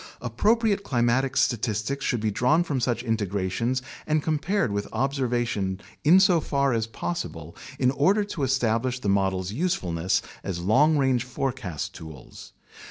Appropriate climatic statistics should be drawn from such integrations and compared with observation insofar as possible, in order to establish the models' usefulness as long range forecast tools.